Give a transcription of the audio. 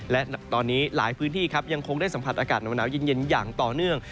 และตอนนี้หลายพื้นที่ครับยังคงได้สัมผัสอากาศหนาวเย็นอย่างต่อเนื่อง